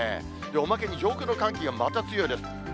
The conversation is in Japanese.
おまけに上空の寒気がまた強いです。